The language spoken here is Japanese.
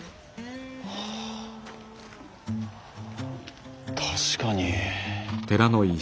あ確かに。